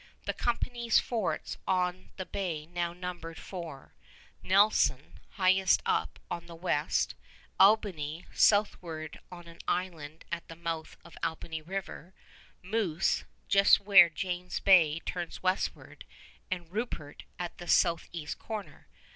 The company's forts on the bay now numbered four: Nelson, highest up on the west; Albany, southward on an island at the mouth of Albany River; Moose, just where James Bay turns westward; and Rupert at the southeast corner.